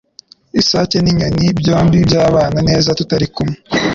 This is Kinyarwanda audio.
Isake ninyoni byombi byabana neza tutari kumwe